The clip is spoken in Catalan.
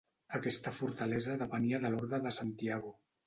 Aquesta fortalesa depenia de l'Orde de Santiago.